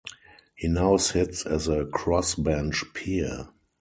He now sits as a crossbench peer.